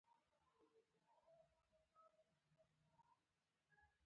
هر څه د جاسوسانو مافیا لاس ته ور ولویږي.